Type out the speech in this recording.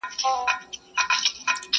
وګړي تښتي له ګاونډیانو؛